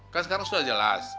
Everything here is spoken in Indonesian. kan sekarang sudah jelas